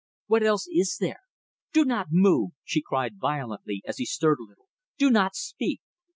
What else is there? Do not move," she cried violently, as he stirred a little "do not speak!